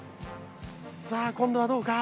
さあ今度はどうか。